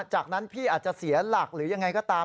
จากนั้นพี่อาจจะเสียหลักหรือยังไงก็ตาม